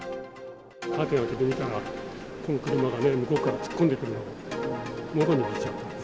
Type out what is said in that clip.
カーテン開けてみたら、この車がね、向こうから突っ込んでくるのをもろに見ちゃったんです。